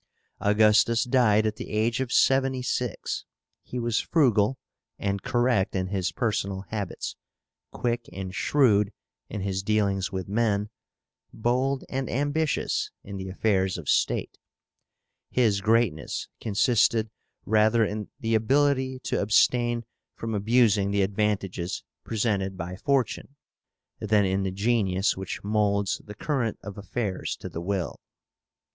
Augustus died at the age of seventy six. He was frugal and correct in his personal habits, quick and shrewd in his dealings with men, bold and ambitious in the affairs of state. His greatness consisted rather in the ability to abstain from abusing the advantages presented by fortune, than in the genius which moulds the current of affairs to the will.